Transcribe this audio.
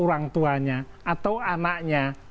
orang tuanya atau anaknya